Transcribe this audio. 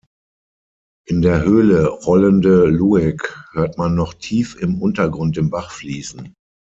In der Höhle "Rollende Lueg" hört man noch tief im Untergrund den Bach fließen.